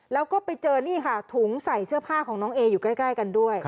แล้วก็ไปเจอนี่ค่ะถุงใส่เสื้อผ้าของน้องเออยู่ใกล้กันด้วย